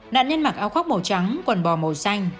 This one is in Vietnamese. nạn nhân mặc áo khoác màu trắng quần bò màu xanh